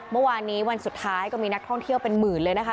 เมื่อวานนี้วันสุดท้ายก็มีนักท่องเที่ยวเป็นหมื่นเลยนะคะ